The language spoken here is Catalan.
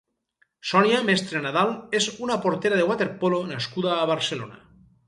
Sònia Mestre Nadal és una portera de waterpolo nascuda a Barcelona.